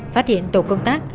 phát hiện tổ công tác